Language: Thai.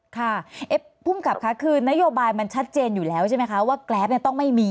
ค่ะพุ่มกลับคือนโยบายมันชัดเจนอยู่แล้วเข้าว่ากรแกรฟต้องไม่มี